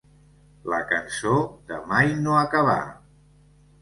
La cançó de mai no acabar.